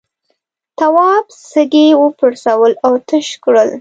تواب سږي وپرسول او تش کړل.